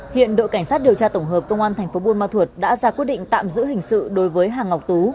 hiện đội cảnh sát điều tra tổng hợp công an thành phố buôn ma thuột đã ra quyết định tạm giữ hình sự đối với hà ngọc tú